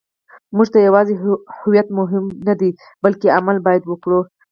موږ ته یوازې هویت مهم نه دی، بلکې عمل باید وکړو.